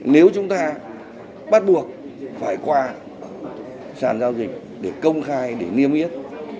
nếu chúng ta bắt buộc phải qua sàn giao dịch để công khai để niêm yết